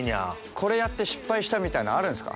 これやって失敗したみたいなのあるんですか？